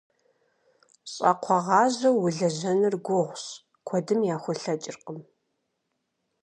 Щӏакхъуэгъажьэу уэлэжьэныр гугъущ, куэдым яхулъэкӏыркъым.